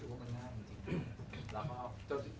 แล้วก็อย่างรู้สึกว่ามันง่าย